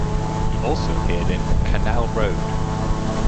He also appeared in "Canal Road".